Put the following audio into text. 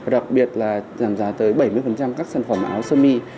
đặc biệt là giảm giá tới bảy mươi các sản phẩm áo sơ mi